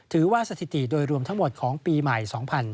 สถิติโดยรวมทั้งหมดของปีใหม่๒๕๕๙